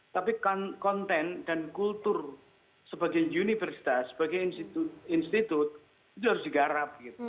tapi konten dan kultur sebagai universitas sebagai institut itu harus digarap